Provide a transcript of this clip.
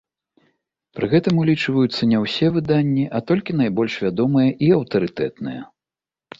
Пры гэтым улічваюцца не ўсе выданні, а толькі найбольш вядомыя і аўтарытэтныя.